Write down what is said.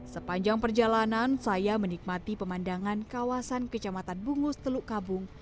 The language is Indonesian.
sepanjang perjalanan saya menikmati pemandangan kawasan kecamatan bungus teluk kabung